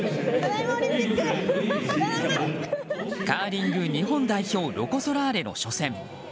カーリング日本代表ロコ・ソラーレの初戦。